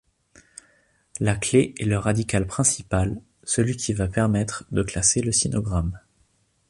La clé est le radical principal, celui qui va permettre de classer le sinogramme.